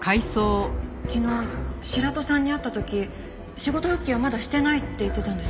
昨日白土さんに会った時仕事復帰はまだしてないって言ってたんです。